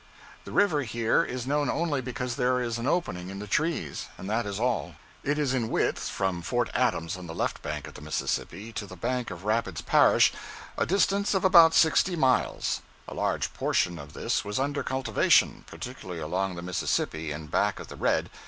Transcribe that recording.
The river here is known only because there is an opening in the trees, and that is all. It is in width, from Fort Adams on the left bank of the Mississippi to the bank of Rapides Parish, a distance of about sixty miles. A large portion of this was under cultivation, particularly along the Mississippi and back of the Red.